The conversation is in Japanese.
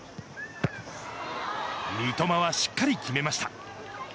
三笘はしっかり決めました。